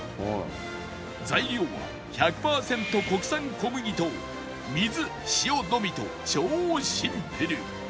材料は１００パーセント国産小麦と水塩のみと超シンプル